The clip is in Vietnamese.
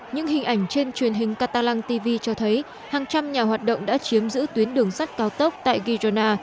những hình ảnh trên truyền hình catalang tv cho thấy hàng trăm nhà hoạt động đã chiếm giữ tuyến đường sắt cao tốc tại girona